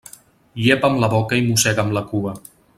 Llepa amb la boca i mossega amb la cua.